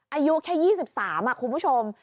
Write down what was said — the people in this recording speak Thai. อายุแค่๒๓คุณผู้ชม